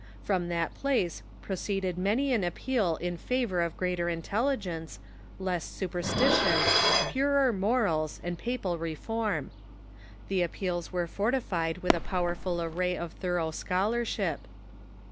From that place pro ceeded many an appeal in favor of greater intelligence, less superstition, purer morals, and papal reform. The appeals were fortified with a powerful array of thorough scholarship.